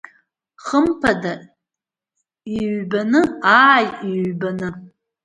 Хымԥада, иҩбаны, ааи, иҩбаны.